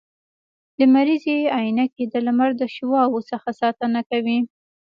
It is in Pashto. لمریزي عینکي د لمر د شعاوو څخه ساتنه کوي